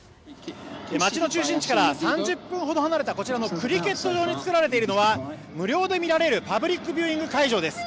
街の中心地から３０分ほど離れたこちらのクリケット場に作られているのは無料で見られるパブリックビューイング会場です。